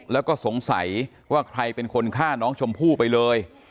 แล้วก็สงสัยว่าใครเป็นคนฆ่าน้องชมพู่ไปเลย